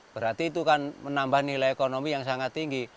berarti itu kan menambah nilai ekonomi yang sangat tinggi